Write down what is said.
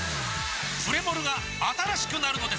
プレモルが新しくなるのです！